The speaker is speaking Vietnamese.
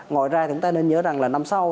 ngoài ra chúng ta nên nhớ rằng là năm sau